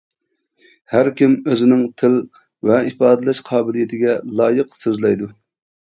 ھەر كىم ئۆزىنىڭ تىل ۋە ئىپادىلەش قابىلىيىتىگە لايىق سۆزلەيدۇ.